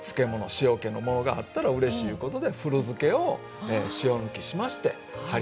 塩けのものがあったらうれしいいうことで古漬けを塩抜きしましてはりはり漬け。